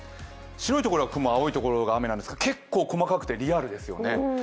白いところが雲、青いところが雨なんですが結構細かくてリアルですよね。